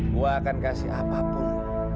gue akan kasih apapun